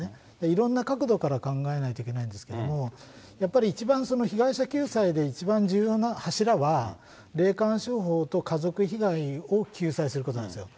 いろんな角度から考えないといけないんですけれども、やっぱり一番被害者救済で一番重要な柱は、霊感商法と家族被害を救済することなんですよ。